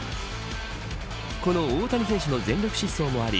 この大谷選手の全力疾走もあり